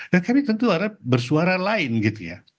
dan kami tentu ada bersuara lain gitu ya